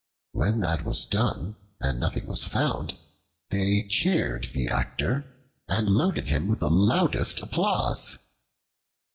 When that was done and nothing was found, they cheered the actor, and loaded him with the loudest applause.